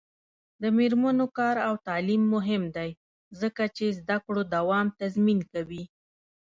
د میرمنو کار او تعلیم مهم دی ځکه چې زدکړو دوام تضمین کوي.